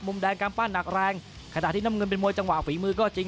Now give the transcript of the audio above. แดงกำปั้นหนักแรงขณะที่น้ำเงินเป็นมวยจังหวะฝีมือก็จริง